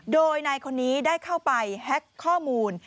โดยนายคนนี้ได้เข้าไปแฮ็กข้อมูล